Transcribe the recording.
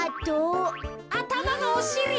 あたまのおしり。